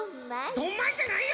「どんまい」じゃないよ